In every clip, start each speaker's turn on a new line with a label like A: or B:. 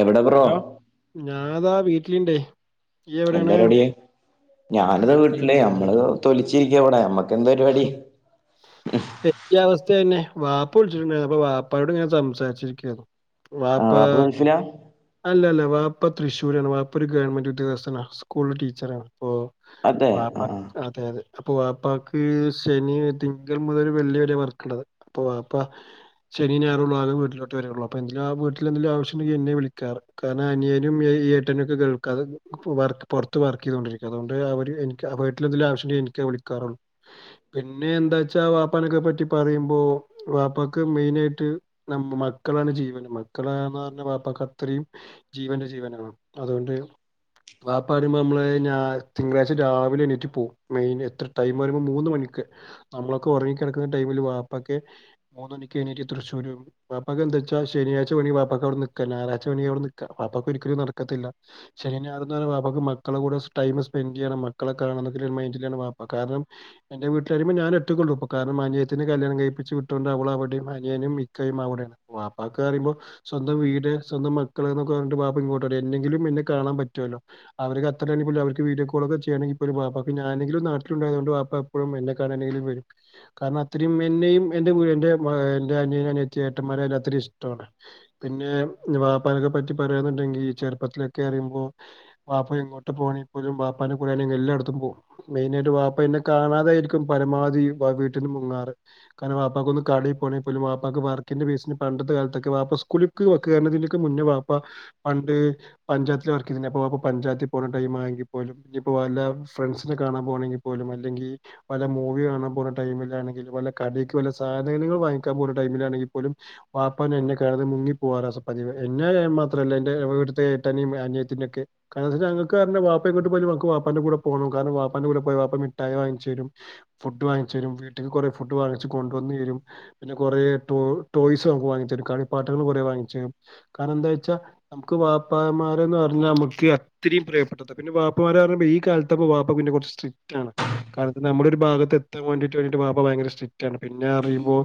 A: എവിടെ bro
B: hello ഞാനത വീട് ട്ടിണ്ടേ.
A: എന്താ റെഡിയെ ഞാനിതാ
B: ഞാൻ
A: വീട്ടില്
B: ശരി ശരി.
A: നമ്മളത്‌ തൊലി ച്ചിരിക്കവടെ നമ്മക് എന്താ പരിപാടി
B: എനിക്ക് അവസ്ഥ തന്നെ വാപ്പ വിളിച്ചിട്ടുണ്ടാരുന്നു അപ്പ വാപ്പായോട് ഇങ്ങനെ സംസാരിച്ചിരിക്കുവായിരുന്നു.
A: ആ വാപ്പ ഗൾഫിലാ
B: അല്ല അല്ല വാപ്പ തൃശ്ശൂരാണ്, വാപ്പ ഒരു ഗവൺമെന്റ് ഉദ്യോഗസ്ഥനാ, സ്കൂളിലെ ടീച്ചറാണ്. ഓ
A: അതെ
B: വാപ്പ
A: ആ ആ
B: അതെ അതെ അപ്പോ വാപ്പാക്ക് ശെനി തിങ്കൾ മുതൽ വെള്ളി വരെ വർക്കിള്ളത്, അപ്പോ വാപ്പാ ശെനി ഞായർ [unintelligible] വീട്ടിലോട്ട് വരുള്ളൂ, അപ്പ എന്തെങ്കിലും ആ വീട്ടിൽ എന്തങ്കിലും ആവശ്യണ്ടെങ്കിൽ എന്നെ വിളി കാർ കാരണം അനിയനും ഈ ഏട്ടനും ഒക്കെ ഗൾ [unintelligible] വർക്ക് പുറത്ത് വർക്ക് ചെയ്തൊണ്ടിരിക്ക അതുകൊണ്ട് അവര് എനിക്ക് വീട്ടിൽ എന്തേലും ആവശ്യമുണ്ടെങ്കി എനിക്ക വിളിക്കാറുള്ളൂ പിന്നെ എന്താ വെച്ചാ വാപ്പാനൊക്കെ പറ്റി പറയുമ്പോ വാപ്പക്ക് മെയിനായിട്ട് മക്കളാണ് ജീവൻ മക്കളയാന്ന് പറഞ്ഞാൽ വാപ്പക്ക് അത് ഇത്രയും ജീവന്റെ ജീവനാണ് അതുകൊണ്ട് വാപ്പ പറയുമ്പോ നമ്മള് തിങ്കളാഴ്ച രാവിലെ എണീറ്റ് പോകും മെയിൻ എത്ര ടൈം വരുമ്പോൾ മൂന്ന് മണിക്ക് നമ്മളൊക്കെ ഉറങ്ങി കിടക്കുന്ന ടൈമിൽ വാപ്പക്കെ മൂന്ന് മണിക്ക് എണീട്ട് തൃശൂരും വാപ്പക്കെ എന്താ വച്ചാ ശനിയാഴ്ച വേണങ്കി വാപ്പാക്കെ അവിടെ നിക്കാം ഞായറാ ഴ്ച്ച വേണെങ്കി അവിടെ നിക്കാം വാപ്പക്ക് ഒരിക്കലും നടക്കത്തില്ല ശനിയും ഞായറും വാപ്പക്ക് മക്കളെ കൂടെ ടൈം സ്പെൻഡ് ചെയ്യണം മക്കളെ കാണണം എന്ന ഒരു മൈൻഡി ലാണ് വാപ്പ കാരണം എന്റെ വീട്ടില് വരുമ്പോ ഞാൻ ഒറ്റക്കുള്ളു കാരണം അനിയത്തിനെ കല്യാണം കഴിപ്പിച്ച് വിട്ടൊണ്ട് അവളവിടെയും അനിയനും ഇക്കയും അവിടെയാണ് വാപ്പാക്കെ പറയുമ്പോ സ്വന്തം വീട് സ്വന്തം മക്കളെന്നൊക്കെ പറഞ്ഞ് വാപ്പ ഇങ്ങോട്ട് വരും എന്നെങ്കിലും എന്നെ കാണാൻ പറ്റുമല്ലോ അവർ അത്ര അവർക്ക് വീഡിയോ കോളൊക്കെ ചെയ്യാണെങ്കിൽ ഒരു ഞാനെങ്കിലും നാട്ടിലുണ്ടായത് കൊണ്ട് വാപ്പ എപ്പോഴും എന്നെ കാണാനെങ്കിലും വരും കാരണം അത്രയും എന്നെയും എന്റെ അനിയൻ അനിയത്തി ഏട്ടന്മാരെയുംഎല്ലാത്തിനെയും ഇഷ്ടമാണ് പിന്നെ വാപ്പാനെക്കെ പറ്റി പറയുന്നുണ്ടെങ്കി ഈ ചെറുപ്പത്തിലൊക്കെ അറീമ്പോ വാപ്പ എങ്ങോട്ട് പോണെ പോലും വാപ്പാടെ കൂടെ എല്ലായിടത്തും പോകും മെയിനായിട്ട് വാപ്പ എന്നെ കാണാതായിരിക്കും പരമാവധി വീട്ടിൽ നിന്ന് മുങ്ങാറ് കാരണം വാപ്പാക്ക് ഒന്ന് കടേൽ പോണെ പോലും വാപ്പാക്ക് വർക്കിന്റെ ബേസിന് പണ്ടത്തെ കാലത്തൊക്കെ വാപ്പ സ്കൂൾക്ക് കേറുന്നതിനൊക്കെ മുന്നേ വാപ്പാ പണ്ട് പഞ്ചായത്തി വർക്ക് ചെയ്തിരുന്നപ്പോ വാപ്പ പഞ്ചായത്തിൽ പോകുന്ന ടൈം ആണെങ്കിൽ പോലും ഇനിയിപ്പോ വല്ല ഫ്രണ്ട്സിനെ കാണാൻ പോണെങ്കിൽ പോലും അല്ലെങ്കിൽ വല്ല മൂവി കാണാൻ പോകുന്ന ടൈമിലാണെങ്കിൽ പോലും കടയിലേക്ക് സാധനങ്ങൾ വാങ്ങിക്കാൻ പോുന്ന ടൈമിലാണെങ്കിൽ പോലും വാപ്പാ ഒന്ന് എന്നെ കാണാതെ മുങ്ങി പോകാറാ പതിവ് എന്നെ മാത്രല്ല എന്റെവിടുത്തെ ഏട്ടനും അനയത്തിനെ ഒക്കെ കാരണം ഞങ്ങക്ക് വാപ്പ എങ്ങോട്ട് പോയാലും ഞങ്ങക്ക് വാപ്പാന്റെ കൂടെ പോണം വാപ്പാന്റെ കൂടെ പോണം വാപ്പ മിട്ടായി വാങ്ങിച്ച് തരും ഫുഡ് വാങ്ങിച്ച് തരും വീട്ടിൽ കുറെ ഫുഡ് വാങ്ങിച്ച് കൊണ്ടുവന്നു തരും പിന്നെ കുറെ ടോയ്സ് ഞങ്ങൾക്ക് വാങ്ങി തരും കളിപ്പാട്ടങ്ങള് കുറേ വാങ്ങി കാരണം എന്താ വെച്ചാ നമുക്ക് വാപ്പാമാരന്ന് പറഞ്ഞാൽ നമുക്ക് അത്രയും പ്രിയപ്പെട്ടത് പിന്നെ വാപ്പമാരെ പറയുമ്പോ ഈ കാലത്ത് വാപ്പ പിന്നെ കുറച്ച് സ്ട്രിക്റ്റ് ആണ് കാരണം നമ്മുടെ ഒരു ഭാഗത്ത് എത്താൻ വേണ്ടിട്ട് വാപ്പ ഭയങ്കര സ്ട്രിക്റ്റ് ആണ് പിന്നെ അറിയുമ്പോ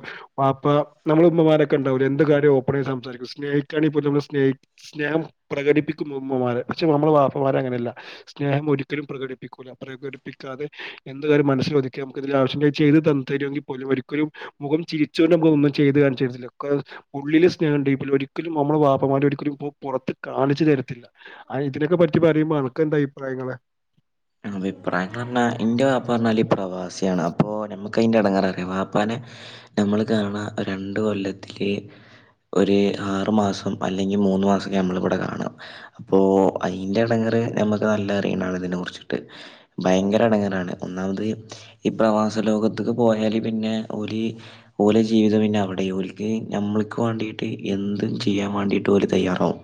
B: വാപ്പ നമ്മൾ ഉമ്മമാരൊക്കെ ഉണ്ടാവില്ലേ എന്ത് കാര്യം ഓപ്പൺ ആയിട്ട് സംസാരിക്കും സ്നേഹിക്കാണെൽ പോലും നമ്മൾ സ്നേഹ സ്നേഹം പ്രകടിപ്പിക്കും ഉമ്മമാരെ പക്ഷെ നമ്മൾ വാപ്പമാരെ അങ്ങനെയല്ല സ്നേഹം ഒരിക്കലും പ്രകടിപ്പിക്കൂല്ല പ്രകടിപ്പിക്കാതെ എന്ത് കാര്യം മനസ്സിൽ ഒതുക്കി നമുക്ക് ഇതിൽ ആവശ്യുണ്ടെ ചെയ്ത് തരുമെങ്കിൽ പോലും ഒരിക്കലും മുഖം ചിരിച്ചുകൊണ്ട് നമുക്ക് ഒന്നും ചെയ്ത് കാണിച്ചു തരത്തില്ല ഉള്ളിലെ സ്നേഹം ഉണ്ട് അതിൽ ഒരിക്കലും നമ്മുടെ വാപ്പമാർ ഒരിക്കലും പുറത്ത് കാണിച്ചു തരത്തില്ല ഇതിനക്കെ പറ്റി പറയുമ്പോ നിനക്കെന്താ അഭിപ്രായങ്ങള്
A: അഭിപ്രായങ്ങളെന്ന് പറഞ്ഞാ ഇന്റെ വാപ്പാന്ന് പറഞ്ഞാല് പ്രവാസിയാണ് അപ്പോൾ നമുക്ക് അതിൻ്റെ ഇടങ്ങേർ അറിയാം വാപ്പാനെ നമ്മൾ കാണാ രണ്ട് കൊല്ലത്തിൽ ഒരു ആറു മാസം അല്ലെങ്കിൽ മൂന്ന് മാസമൊക്കെ നമ്മളിവിടെ കാണാം അപ്പോൾ അതിൻ്റെ ഇടങ്ങേറ് നമുക്ക് നല്ല അറിയുന്നാണ് ഇതിനെ കുറിച്ച് ഭയങ്കര ഇടങ്ങേറാണ് ഒന്നാമത് ഈ പ്രവാസ ലോകത്തേക്ക് പോയാല് പിന്നെ ഒരു ഓലെ ജീവിതം പിന്നെ അവിടെ ഓല്ക്ക് നമ്മൾക്ക് വേണ്ടിട്ട് എന്തും ചെയ്യാൻ വേണ്ടിട്ട് ഓല് തയ്യാറാവും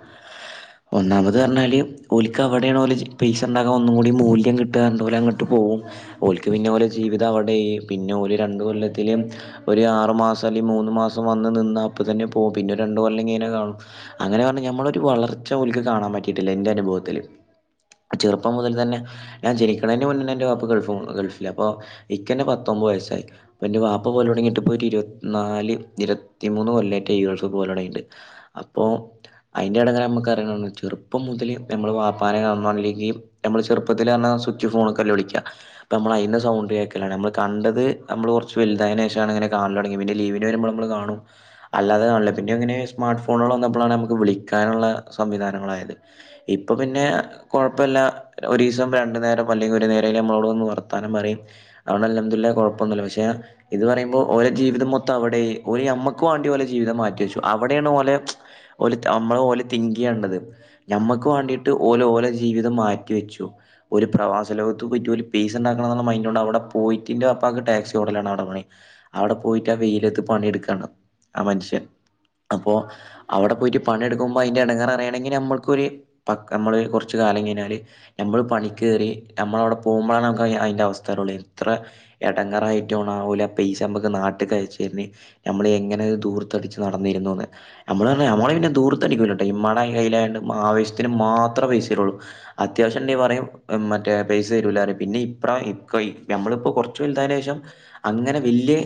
A: ഒന്നാമത് പറഞ്ഞാല് ഓൽക്ക് അവിടെണ് ഓല് പൈസ ഉണ്ടാക്കാൻ ഒന്നും കൂടി മൂല് ല്യം കിട്ടുക അതുപോലെ അങ്ങോട്ട് പോകും ഓല്ക്ക് പിന്നെ പോലെ ജീവിത അവിടെ പിന്നെ ഒരു രണ്ട് കൊല്ലത്തില് ഒരു ആറു മാസം അല്ലെ മൂന്ന് മാസം വന്ന് നിന്നാ അപ്പ തന്നെ പോകും പിന്നെ രണ്ട് കൊല്ലം കയിഞ്ഞ് കാണും അങ്ങനെ പറഞ്ഞ ഞമ്മളെ ഒരു വളർച്ച ഓല്ക്ക് കാണാൻ പറ്റിയിട്ടില്ല എന്റെ അനുഭവത്തില് ചെറുപ്പം മുതൽ തന്നെ ഞാൻ ജനിക്കുന്നതിന് മുന്നേ എന്റെ വാപ്പ ഗൾഫ് ഗൾഫിൽ അപ്പോൾ എനിക്ക് തന്നെ പത്തൊമ്പത് വയസ്സായി അപ്പോൾ എൻ്റെ വാപ്പ പോകല് തുടങ്ങിയിട്ട് ഇപ്പോൾ ഒരു ഇരുപത്തിനാല് ഇരുപത്തിമൂന്ന് കൊല്ലമായിട്ട് ഈ ഗൾഫ് പോകല് തുടങ്ങയിട്ട് അപ്പോൾ അതിൻ്റെ ഇടങ്ങേറ് നമുക്കറിയണം ചെറുപ്പം മുതൽ നമ്മൾ വാപ്പാനെ കാണണ്ടെങ്കിൽ നമ്മൾ ചെറുപ്പ ത്തില് സുച്ച് ഫോണിലൊക്കെയ വിളിക്ക നമ്മള അതിന്റെ സൗണ്ട് കേക്കല നമ്മള് കണ്ടത് നമ്മള് കുറച്ച് വലുതായേനു ശേഷമാണ് അങ്ങനെ കാണല് തുടങ്ങിയെ പിന്നെ ലീവിന് വരുമ്പോ നമ്മള് കാണും അല്ലാതെ കാണലില്ല പിന്നെ ഇങ്ങനെ സ്മാർട്ട് ഫോണുകൾ വന്നപ്പോഴാണ് നമുക്ക് വിളിക്കാനുള്ള സംവിധാനങ്ങളായത് ഇപ്പം പിന്നെ കുഴപ്പമില്ല ഒരു ദിവസം രണ്ടു നേരം അല്ലെങ്കിൽ ഒരു നേരം നമ്മളോട് ഒന്ന് വർത്താനം പറയും അത് കൊണ്ട് അൽഹംദുലില്ലാഹ് കുഴപ്പൊന്നുല്ല പക്ഷെ ഇത് പറയുമ്പോൾ ഓലെ ജീവിതം മൊത്തം അവിടെയി നമ്മക്ക് വേണ്ടിഓലെ ജീവിതം മാറ്റി വെച്ചു അവിടെയാണ് ഓലെ ഓലെ നമ്മള് ഓലെ തിങ്ക് ചെയ്യേണ്ടത് ഞമ്മക്ക് വേണ്ടിട്ട് ഓല ഓലെ ജീവിതം മാറ്റി വെച്ചു ഒരു പ്രവാസ ലോകത്ത് പോയിറ്റ് ഒരു പേസ ഉണ്ടാക്കണം എന്നുള്ള മൈൻഡ് ഉണ്ട് അവിടെ പോയിട്ടിന്റെ അപ്പക്ക് ടാക്സി ഓടലാണ് അവിടെ പണി അവിടെ പോയിട്ട് ആ വെയിലത്ത് പണിയെടുക്കയാണ് ആ മനുഷ്യൻ അപ്പോ അവിടെ പോയിട്ട് പണിയെടുക്കുമ്പോ അതിന്റെ ഇടങ്ങാർ അറിയണെങ്കിൽ നമ്മൾക്കൊരു നമ്മള് കുറച്ച് കാലം കഴിഞ്ഞാല് നമ്മള് പണി ക്കേറി നമ്മളവിടെ പോകുമ്പോഴാണ് നമുക്ക് അതിന്റെ അവസ്ഥേ അറിയൂള്ളൂ എത്ര ഇടങ്ങേറായിട്ടാണ് ഓല് പൈസ നമുക്ക് നാട്ടികയച്ചരുന്നെ നമ്മള് എങ്ങനെ ദൂർത്തടിച്ച് നടന്നിരുന്നുന്ന് നമ്മള് നമ്മള പിന്നെ ദൂർത്തടിക്കൂല്ലട്ടോ ഇമ്മാടെ കയ്യിലായത് കൊണ്ട് ആവശ്യത്തിന് മാത്രേ പൈസ തരുള്ളൂ അത്യാവശ്യം ഒണ്ടേ പറയും മറ്റേ പൈസ തരൂല്ലാന്ന് പിന്നെ ഇപ്ര ഇപ്പ നമ്മളിപ്പോ കുറച്ചു വലുതായേന് ശേഷം അങ്ങനെ വലിയ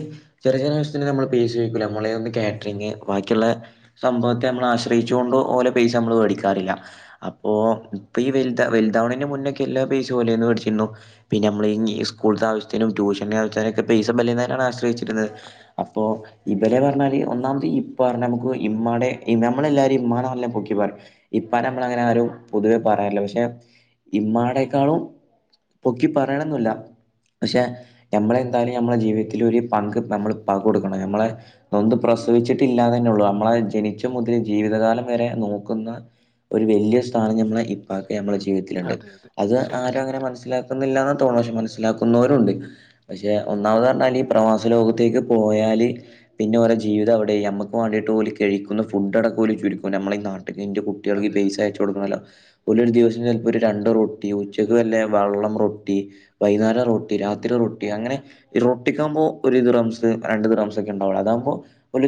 A: ചെറിയ ചെറിയാവശ്യത്തിന് നമ്മൾ പൈസ ചോദിക്കൂല നമ്മളന്ന് കാറ്ററിങ് ബാക്കിയുള്ള സംഭവത്തെ നമ്മൾ ആശ്രയിച്ചു കൊണ്ട് ഓലെ പൈസ നമ്മള് മേടിക്കാറില്ല അപ്പോ ഇപ്പൊ ഈ വ വലുതാവണിന്റെ മുന്നെക്കെ എല്ലാ പൈസ ഓലേന്ന് മേടിച്ചിരുന്നു പിന്നെ നമ്മൾ ഈ സ്കൂളിലത്തെ ആവശ്യത്തിനും ട്യൂഷന്റെ ആവശ്യത്തിന് ഒക്കെ പൈസ [unintelligible] ആശ്രയിച്ചിരുന്നത് അപ്പോ ഇവലെ പറഞ്ഞാല് ഒന്നാമത് ഇ പറഞ്ഞ പോൽ ഇമ്മാടെ നമ്മളെല്ലാരും ഇമ്മാന്ന് പറഞ്ഞ പൊക്കി പറയും ഇപ്പാനെ നമ്മൾ അങ്ങനെ ആരും പൊതുവേ പറയാറില്ല പക്ഷെ ഇമ്മാ യെ ക്കാളും പൊക്കി പറയണൊന്നല്ല പക്ഷെ നമ്മളെ എന്തായാലും നമ്മളുടെ ജീവിതത്തിൽ ഒരു പങ്ക് നമ്മൾ ഉപ്പാക്ക് കൊടുക്കണം നമ്മളെ നൊന്ത് പ്രസവിച്ചിട്ടില്ലാ തന്നെ ഉള്ളൂ നമ്മളെ ജനിച്ച മുതൽ ജീവിതകാലം വരെ നോക്കുന്ന ഒരു വലിയ സ്ഥാനം ഞമ്മളെ ഇപ്പാക്ക് നമ്മുടെ ജീവിതത്തിലുണ്ട്
B: അതെ അതെ
A: അത്
B: സത്യം
A: ആരും അങ്ങനെ
B: സത്യം
A: മനസ്സിലാക്കുന്നില്ല ല്ലാത്തവരുമുണ്ട് പക്ഷേ മനസ്സിലാക്കുന്നവരുമുണ്ട് പക്ഷെ ഒന്നാമത് പറഞ്ഞാൽ ഈ പ്രവാസ ലോകത്തേക്ക് പോയാല് പിന്നെ ഓരെ ജീവിതം അവിടെ നമ്മുക്ക് വേണ്ടിട്ട് ഓല് കഴിക്കുന്നു ഫുഡ് അടക്ക പോലും ചുരുക്കവാ നമ്മള ഈ നാ ട്ടിൽ ന്റെ കുട്ടികൾക്ക്
B: അതെ
A: പൈസ
B: അതെ
A: അയച്ചു കൊടുക്കണല്ലോ ഒരു ദിവസം ഒരു രണ്ട് റൂട്ട് ഉച്ചക്ക് വല്ലേ വെള്ളം റൊട്ടി വൈന്നേരം റൊട്ടി രാത്രി റൊട്ടി അങ്ങനെ റൊട്ടിക്കാകുമ്പോ ഒരു ദിറംസം രണ്ട് ദിറംസൊക്കെ ഉണ്ടാവുള്ള അതാകുമ്പോ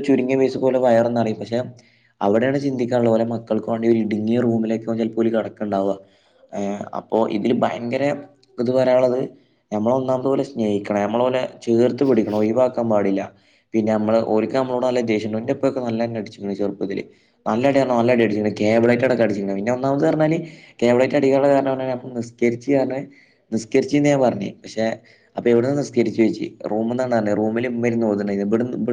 A: ചുരുങ്ങിയ പൈസക്ക് പോലും വയറ് നിറയും പക്ഷെ അവിടെയാണ് ചിന്തിക്കാനുള്ള ഓലെ മക്കൾക്ക് വേണ്ടി ഇടുങ്ങിയ റൂമിലൊക്കെ [unintelligible] കിടക്കണ്ടാവുക അപ്പോ ഇതില് ഭയങ്കര ഇത് പറയാനുള്ളത് ഞമ്മള് ഒന്നാമത് പോലെ സ്നേഹിക്കണം നമ്മളെ പോലെ ചേർത്ത് പിടിക്കണം ഒഴിവാക്കാൻ പാടില്ല പിന്നെ നമ്മള് ഓല്ക്ക് നമ്മളോട് നല്ല ദേഷ്യണ്ട് എന്റുപ്പക്കെ നല്ലെന്നെ അടിച്ചിട്ടുണ്ട് ചെറുപ്പത്തില് നല്ലടിയാണ് നല്ലടി അടിച്ചിട്ടുണ്ട് കേബിളായിട്ട് അടിച്ചിട്ടുണ്ട് ഒന്നാമത് പറഞ്ഞല് കേബിളായിട്ട് അടിക്കാനുള്ള കാരണമെന്ന് പറഞ്ഞാല് നിസ്കരിച്ച നിസ്കരിച്ചന്ന് ഞാ പറഞ്ഞഞ് പക്ഷെ അപ്പൊ എവിടെന്ന് നിസ്കരിച്ചു വെച്ചു റൂമ റൂമിൽ ഇരുന്ന് ത ഇവി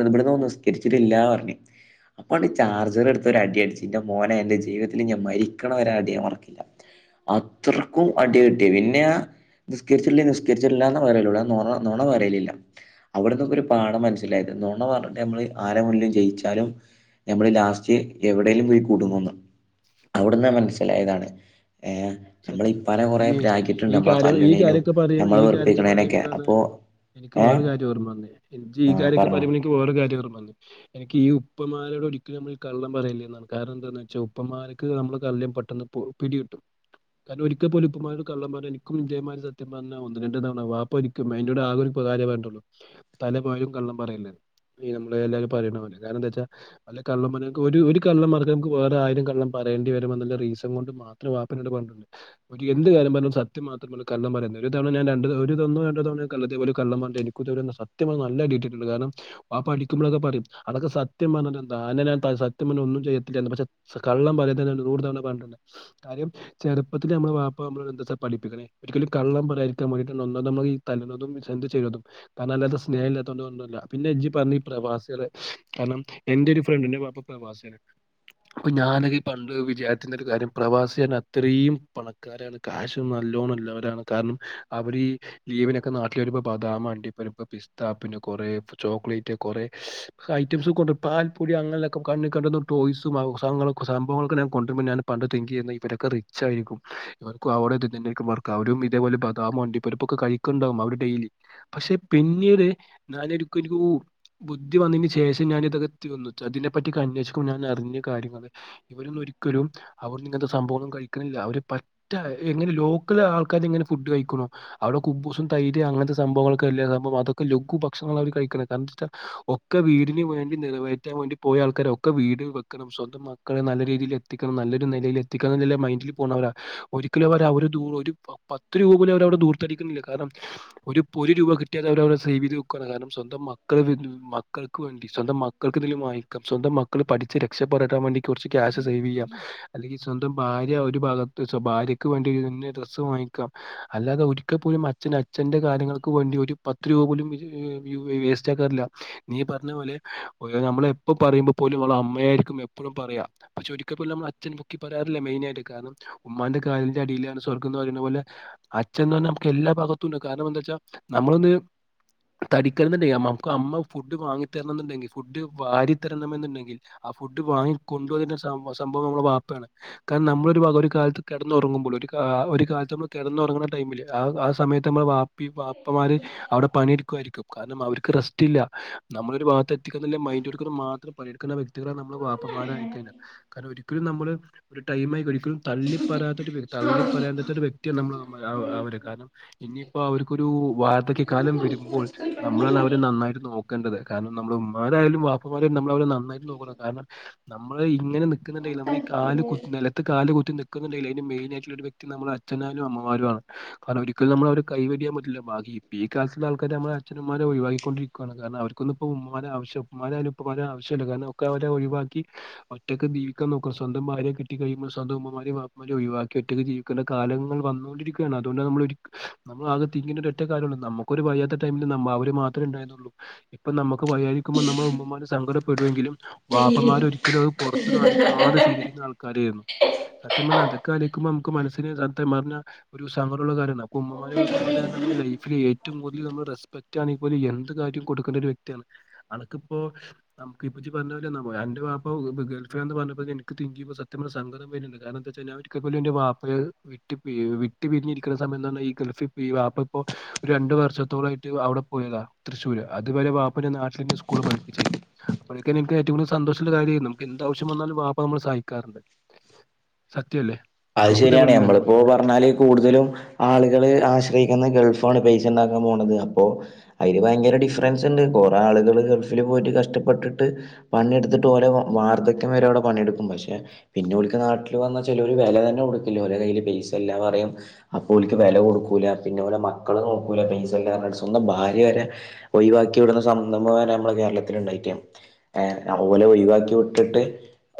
A: ഇവിന്ന് നിസ്കരിച്ചിട്ടില്ല പറഞ്ഞഞ് അപ്പ ഈ ചാർജർ എടുത്ത ഒരു അടി അടിച്ച്ു എന്റെ മോനെ എന്റെ ജീവിതത്തിൽ ഞ മരിക്കണ അടിയൻ മറക്കില്ല അത്ര ും അടി കെട്ടിയ പിന്നെ ആ നിസ്കരിച്ചിട്ടില്ല നികരിച്ചിട്ടില്ലന്ന് പറയലൂ നണ നോണ പറയലില്ല അവിടെന്നൊക്കെ ഒരു പാഠം മനസ്സിലായത് നോണ പറഞ്ഞട്ട നമ്മള് ആരെ മുല്ലും ജയിച്ചാലും നമ്മള് ലാസ്റ്റ് എവിടെേലും പോയി കുടുങ്ങന്ന അവിടുന്ന മനസ്സിലായതാണ് ഏ
B: സത്യം സത്യം ഈ ഈ കാര്യം ഈ
A: തല്ല്ണേനും
B: കാര്യൊക്കെ പറ
A: നമ്മളെ
B: ഈ കാര്യമൊക്കെ
A: വെറുപ്പിക്കണേനൊക്കെ
B: പറയുമ്പോഴാണ്
A: അപ്പോ
B: എനിക്ക് വേറെ
A: ഏഹ്
B: കാര്യം റ പറന്നത് എനി ഈ
A: ആഹ്
B: കാര്യൊക്കെ
A: പറഞ്ഞോ
B: പറയുമ്പോൾ എനിക്ക് വേറെ കാര്യം പറന്നു എനിക്ക് ഈ ഉപ്പമാലയുടെ ഒടുക്കി നമ്മൾ കള്ള പറയല്ലേ എന്നാണ് കാരണം എന്താെന്ന് വെച്ചാൽ ഉപ്പമാലക്ക് നമ്മള് കല്യും പെട്ടെന്ന് പിടി കിട്ടും കാരണം ഒരിക്കൽ പോലുപ്പന്മാരു കള്ളന്മാര എനിക്കും ഇന്ത്യമാര് സത്യം പറഞ്ഞ ഒന്ന് രണ്ട് തവണ വാപ്പ ഒരിക്കും അതിറ ആെ ഒരു കാര്യേണ്ടുള്ളൂ തല പോലും കള്ള പറയില്ല നമ്മള് എല്ലരും പറയണ കാരണം എന്താ വെച്ചാൽല്ല കള്ളന്മാ ഒരു കള്ളന്മാർക്ക് നമക്ക് വേറെ ആും കള്ള പറയേണ്ടി വരമെന്നുള്ള റസൺ കൊണ്ട് മാത്രം വാപ്പട്ണ്ട് എന്ത് കാര്യം പറഞ്ഞാലും സത്യം മാത്രമാണ് കള്ളം പറയുന്നത് ഒരു തവണ ഞൻ ര ഒരു തന്ന രണ്ടോ തവണ കതേപലെ കള്ള പറഞ്ഞ എനിിക്ക സത്യം നല്ലിട്ടുണ്ട് കാരണം പാപ്പ അടിക്കുമോഴൊക്കെ പറയും അതൊക്കെ സയം പറഞ്ഞിന്തെ ഞാ സത്യം പറഞ്ഞ ഒന്നും ചെയ്യത്തില്ല പക്ഷെ കള്ളം പറയൂ തവണഞ്ഞിണ്ട് കാര്യം ഇപ്പ നമ്മെ വാപ്പ നമ്മ എന്താ പഠിപ്പിക്കണേ ഒരിക്കലും കള്ളം പറയിരിക്കാൻ വേണ്ടിട്ട ഒന്നും നമ്മൾ തുന്നതും എന്ത് ചെയ്യുന്നതും കാരണം അല്ലാത്ത സ്നേഹം ഇല്ലാത്തതൊണ്ട് ഒന്നുമല്ല പിന്നെഞ്ജി പറഞ്ഞു ഈ പ്രവാസികള് കാരണം എന്റെറെ ഒരു ഫ്രണ്ട് എന്റെ വാപ്പ പ്രവാസിയാണ് അപ്പൊ ഞാനെ പണ്ട് വിചാത്തിുന്ന ഒരു കാര്യം പ്രവാസിയൻ അത്രയും പണക്കാരാണ് കാശ്ും നല്ലോണ്ണംല്ലവരാണ് കാരണം അവര് ഈ ലീവിനൊക്കെ നാട്ടിൽ വരുമ്പോ ബദാമ വണ്ടിരു പിസ്ത പിന്നെ കുറെ ചോക്ലേറ്റ് കൊറെേ ഐറ്റംസ് കൊണ്ട് പൽപ്പൊടി അങ്ങനെയൊക്കെ കണ്ണ് കണ്ടുന്ന ടോയ്സും സംഭവങ്ങളൊക്കെ ഞാൻ കൊണ്ടരുമ്പോ ഞൻ പണ്ട് തിങ്ക് ചെയ്യുന്നത് ഇവരൊക്കെ റിച്ച ആായിരിക്കും ഇവർക്കും അവിടെ ഇ തന്നക്ക അവരും ഇതേപോലെ ബദാമ വണ്ടി ഇപ്പപ്പൊക്കെ കഴിക്കണ്ടാവും അവര് ഡെയിലി പക്ഷെ പിന്നീട് ഞാനൊനി ബുദ്ധി വന്നതിന് ശേഷം ഞാൻ ഇതകത്തി വന്ന അതിനെപ്പറ്റിെ അന്വേഷിക്ക ഞാൻ അറിഞ്ഞ കാര്യങ്ങള് ഇവരൊന്നും ഒരിക്കലും അവർന്ന ഇങ്ങനത്തെ സംഭവങ്ങളന്നും കഴിക്കണില്ല അവ പറ്റേ എങ്ങനെ ലോക്കൽ ആൾക്കാർ ഇങ്ങനെ ഫുഡ് കഴിക്കണോ അവിടെ കുബൂസും തൈര് അങ്ങനത്തെ സംഭവങ്ങളൊക്കെ എല്ല സംഭവം അതൊക്കെ ലഘു ഭക്ഷങ്ങൾ അവർ കഴിക്കണം കാരണംന്ത വെച്ചാ ഒക്കെ വീടിന് വേണ്ടി നിറവേറ്റാൻ വേണ്ടി പോയ ആൾക്കാരെ ഒക്കെ വീട് വെക്കണം സ്വന്തം മക്കളെ നല്ല രീതിയിൽ എത്തിക്കണം നല്ലൊരു നിലയിൽ എത്തിക്കണംല്ല മൈൻഡില് പോണവരാ ഒരിക്കലും അവർ ദ ഒരു പത്ത് രൂപ പോലും അവടെ ദൂർത്തടിക്കുന്നില്ല കാരണം ഒരു ഒരു രൂപ കിട്ടിയാെ അവര അവടെ സേവ് ചെയ്ത് നെക്കയാണ് കാരണം സ്വന്തം മക്കൾ മക്കൾക്ക് വേണ്ടി സ്വന്തം മക്കൾക്ക് എന്തെലും വാങ്ങിക്കാം സ്വന്തം മക്കൾ പഠിച്ച് രക്ഷപ്പെടട്ടാൻ വേണ്ടി കുറച്ച് ക്യാഷ് സേവ് ചെയ്യാം അല്ലെങ്കിൽ സ്വന്തം ഭാര്യ ഒരു ഭാഗ ഭാര്യക്ക് വേണ്ടിന്നെ ഡ്രസ്സ് വാങ്ങിക്കാം അല്ലാതെ ഒരിക്കൽ പോലും അച്ഛൻ അച്ഛന്റെ കാര്യങ്ങൾക്ക് വേണ്ടി ഒരു പത്ത് രൂപ പോലും വേസ്റ്റ് ആക്കാറില്ല നീ പറഞ്ഞ പോലെ നമ്മള് എപ്പ പറയുമ്പോ പോലും നമ്മ അമ്മയായിരിക്കും എപ്പോഴും പറയാ പക്ഷെ ഒരിക്കൽ പോലും നമ്മ അച്ഛ പക്കി പറയാറില്ല മെയിന ആയിട്ട് കാര ഉമ്മാന്റെറെ കാലിന്റെ അടിയിലാണ് സ്വർഗം എന്ന് പറയുന്നത് പോലെ അച്ന്ന് പറഞ്ഞൽ നമുക്ക് എല്ലാ ഭാഗത്തും ഉണ്ട് കാരണം എന്താ വെച്ചാ നമ്മളൊന്ന് തടിക്കണണ്ടെങ്കിൽ നമുക്ക് അമ്മ ഫുഡ് വാങ്ങി തരണം എന്നുണ്ടെങ്കിൽ ഫുഡ് വാരി തരണമെന്നുണ്ടെങ്കിൽ ആ ഫുഡ് വാങ്ങി കൊണ്ട് വരന്ന്ള്ള സംഭവം നമ്മൾ വാപ്പയാണ് കാരണം നമ്മള് ഒരു ഒരു കാലത്ത് കിടന്നറങ്ങുമ്പോൾ ഒരു ഒരു കാലത്ത് നമ്മൾ കിടന്നുറങ്ങുന്ന ടൈമില് ആ സയത്ത് നമ്മളെ വാ അപ്പമാര് അവിടെ പണിയെടുക്കുമായിരിക്കും കാരണം അവർക്ക് റെസ്റ്റ് ഇല്ല നമ്മള് ഒരു ഭാഗത്തെ എത്തിക്കുന്ന മൈൻഡ് എടുക്ക മാത്രം പണിയെടുക്കുന്ന വ്യക്തികളാ നമ്മള് വാപ്പമാര്. കാരണം ഒരിക്കലും നമ്മള് ഒരു ടൈമായി ഒരിക്കലും തള്ളി പറയാത്ത ഒരു തള്ളി പറയാത്ത ഒരു വ്യക്തിയ നമ്മള് അവര് കാരണം ഇനിയിപ്പോ അവർക്കൊരു വാർധക്യ കാലം വരുമ്പോൾ നമ്മളാണ് അവരെ നന്നായിട്ട് നോക്കേണ്ടത് കാരണം നമ്മള ഉമ്മാരായാലും ബാപ്പമാരായാലും നമ്മൾ അവരെ നന്നായിട്ട് നോക്കണം കാരണം നമ്മള് ഇങ്ങനെ നിക്കുന്നുണ്ടെങ്കിൽ നമ്മൾ ഈ കാ നിലത്ത് കാല് കുത്തി നി അതി മെയിൻായിട്ടുള്ളരു വ്യക്തി നമ്മ അഛനും അമ്മമാുംമാണ് കാരണം ഒരിക്കും നമ്മള് അവര് കൈവടിയാൻ പറ്റില്ല ബാക്കി ഇക്കാലത്തുള്ള ആൾക്കാര് നമ്മളെ അച്ഛനമ്മമാരെ ഒിഴിവാക്കിക്കൊണ്ടിരിക്കുവാണ് കാരണം അവർക്കൊന്ന ഇപ്പം ഉമ്മമാവശ്യ ഉ്മാാലും ഉപ്പമാരേം ആവശ്യമില്ല കാരണം ഒക്കെ അവ ഒിഴിവാക്കി ഒറ്റൊക്കെ ജീവിക്കൻ നോക്കണം സ്വന്തം ഭാര്യയെ കിട്ടി കഴിയുമ്പോ സ്വന്തം ഉമ്മമാരെ ഒഴിവാക്കി ഒറ്റയ്ക്ക് ജീവിക്കുന്ന കാലങ്ങൾ വന്നുകൊണ്ടിരിക്കയാണ് അതുകൊണ്ട് നമ്മ നമ്മള് ആകെ ഇങ്ങിന ഒരു ഒറ്റ കാലം നമുക്കൊര് വയ്യാത്ത ടൈമില് അവര് മാത്രേണ്ടായിരുന്നുള്ളൂ ഇപ്പം നമക്ക് യായിരിക്കുമ്പോ നമ്മ ഉമ്മമാ സങ്കരം വരുമെങ്കിലും ബാപ്പന്മാര ഒരിക്കലും അത് പുറത്തു കാണിക്കാതെ ചെയ്തിരിക്കുന്ന ആൾക്കാരായിരുന്നു അതൊക്കെക്കുമ്പോ നമുക്ക് മനസിന് ഒരു സങ്കടമുള്ള കാര്യ ഉമ്മമാര് വാപ്പമാര് നമ്മുടെ ലൈഫില് ഏറ്റവും കൂതൽ നമ്മ റസ്പെക്റ്റ് ആണ് ഇ പോല എന്ത് കാര്യ കൊടുക്കണ്ട ഒരു വ്യക്തിയാണ് അനക്കിപ്പോ നമുപ്പോ പറഞ്ഞ പോലെ എന്റെ പാപ്പ ഗേൾഫ്രണ്ട് എന്ന് പറഞ്ഞത് എനിക്ക് തിങ്കുമ്പോ സത്യം സങ്കം വരുന്നുണ്ട് കാരണന്ത ജനാവരിക്കൽ പോലും എന്റെ വാപ്പയെ വി വിട്ടി പിരിഞ്ഞ ഇരിക്കണ സമയം ഈ ഗൾഫിൽഈ വാപ്പ ഇപ്പോ ഒരു രണ്ടു വർഷത്തോളംമായിട്ട് അവിടെ പോയതാ തൃശ്ശൂര് അതുപല വാപ്പ നാട്ടിൽ സ്കൂള് പഠപ്പിച്ചിരുന്നു അപ്പോഴൊക്കെ എനിക്ക് ഏറ്റവും കൂടുത സന്തോഷമുള്ള കാര്യമായിരുന്നു ന എന്താവശ്യം വന്നാലും വാപ്പ നമ്മൾ സഹായിക്കാറുണ്ട് സത്യല്ലേ
A: അത്
B: അനക്ക്
A: ശരിയാണ്
B: ഇതേപോലെ എല്ലാരും
A: നമ്മളിപ്പോ
B: പോയിക്കണേ
A: പറഞ്ഞാല് കൂടുതലും ആളുകള് ആശ്രയി ഗൾഫാണ് പൈസ ഉണ്ടാക്കാൻ പോന്നത് അപ്പോ അതില് ഭയങ്കര ഡിഫറൻസ് ഉണ്ട് കൊറെേ ആളുകൾ ഗൾഫിൽ പോയിട്ട് കഷ്ടപ്പെട്ടിട്ട് പണിെടുത്തിട്ട്ഓ വാർധക്യം വരെടെ പണിെയെടുക്കും പക്ഷെ പിന്നെ ഓൽക് നാട്ടിൽ വന്നാ ചെലോൽക്ക് വില തന്നെ കൊടുക്കൂല ഓര കയ്ൽ പൈസ എല്ലാം പറയും അപ്പോക്ക് വില കൊടുക്കൂല പിന്നെ പോലെ മക്കള് നോക്കൂല പൈസല്ല സ്വന്തം ഭാര്യ വരെ ഒഴിവാക്കി വിടുന്ന സംഭവം നമ്മളെ കേരളത്തി ഉണ്ടായിരിക്ക ഓലെ ഒഴിവാക്കി വിട്ടിട്ട്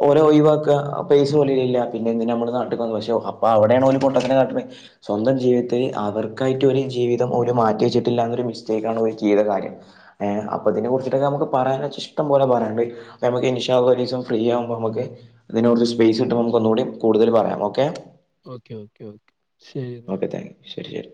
A: ഓല ഒഴിവാക്ക പൈസ പോല പിന്നെന്തിനാ മ്മക്ക് നാ പക്ഷ അപ്പൊ അവിടെയാണ് പൊട്ടത്തരം കാട്ടി സ്വന്തം ജീവിത്തില് അവർക്കായിട്ട് ഒരു ജീവിതം മാറ്റി വച്ചിട്ടില്ലൊരു മിസ്റ്റേക് ആണ് കാര്യം അപ്പ അതിനെ കുറിട്ടൊക്കെ നമു പറയാൻ വെ ഇഷ്ടം പോലെ പറയാനുണ്ട് ഇൻഷാ അല്ല ഫ്രീ ആകുമ്പോ നമുക്ക് അതിനച്ച് സ്പേസ് ഇട്ടുമ്പോ നമൂടി കൂടുതൽ പറയാം okay
B: okay okay okay
A: okay thank you ശരി ശരി